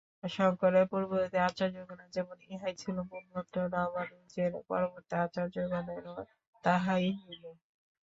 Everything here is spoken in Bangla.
শঙ্করের পূর্ববর্তী আচার্যগণের যেমন ইহাই ছিল মূলমন্ত্র, রামানুজের পরবর্তী আচার্যগণেরও তাহাই হইল।